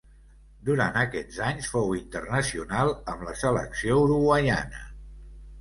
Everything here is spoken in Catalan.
Durant aquests anys fou internacional amb la selecció uruguaiana.